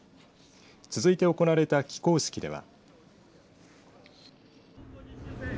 続いて行われた帰港式では。